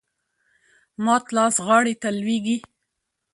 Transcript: مات لاس غاړي ته لویږي .